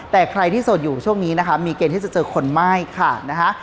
แต่ใครที่โสดอยู่ช่วงนี้นะคะมีเกณฑ์ที่จะเจอคนไหม้ค่ะนะคะ